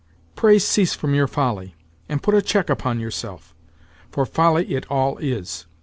Pray cease from your folly, and put a check upon yourself. For folly it all is.